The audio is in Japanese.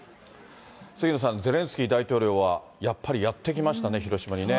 杉野さん、ゼレンスキー大統領はやっぱりやって来ましたね、広島にね。